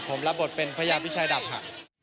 ผมรับบทเป็นพระยาวิชัยดับหัก